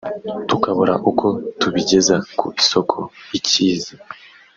tukabura uko tubigeza ku isoko i Cyizi